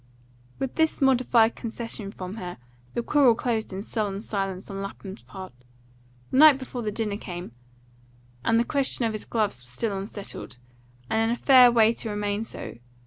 With this modified concession from her, the quarrel closed in sullen silence on Lapham's part. The night before the dinner came, and the question of his gloves was still unsettled, and in a fair way to remain so.